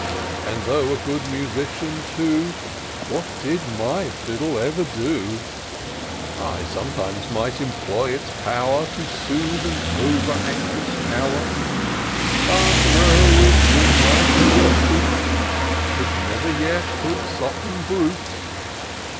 And though a good musician too, What did my fiddle ever do ? I sometimes might employ its pow'r To soothe an over anxious hour ; But though it with my temper suits, It never yet could soften brutes.